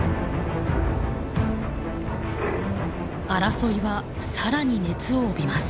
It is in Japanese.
争いはさらに熱を帯びます。